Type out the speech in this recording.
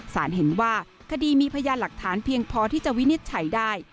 สารเห็นว่าคดีมีพยานหลักฐานเพียงพอที่จะวินิจฉัยได้